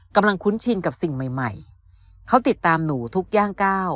กำลังคุ้นชินกับสิ่งใหม่เขาติดตามหนูทุกย่างก้าว